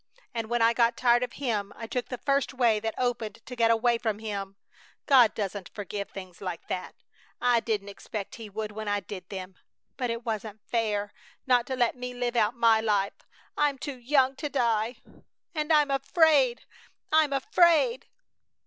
And when I got tired of him I took the first way that opened to get away from him! God doesn't forgive things like that! I didn't expect He would when I did them. But it wasn't fair not to let me live out my life! I'm too young to die! And I'm afraid! I'm AFRAID!"